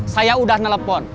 saya udah telepon